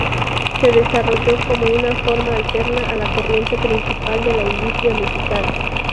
Se desarrolló como una forma alterna a la corriente principal de la industria musical.